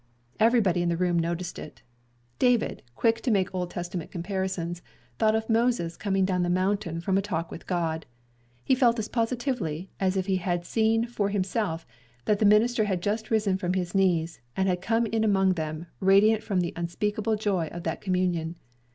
Everybody in the room noticed it. David, quick to make Old Testament comparisons, thought of Moses coming down the mountain from a talk with God. He felt as positively, as if he had seen for himself, that the minister had just risen from his knees, and had come in among them, radiant from the unspeakable joy of that communion.